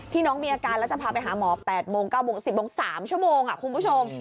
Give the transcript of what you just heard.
น้องมีอาการแล้วจะพาไปหาหมอ๘โมง๙โมง๑๐โมง๓ชั่วโมงคุณผู้ชม